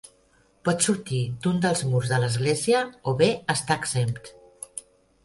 Pot sortir d'un dels murs de l'església o bé estar exempt.